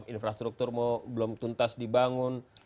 infrastruktur belum tuntas dibangun